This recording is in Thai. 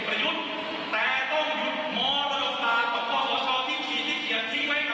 และให้ชุดเข้ามาร่างรัฐธรรมนูนใหม่ด้วยกัน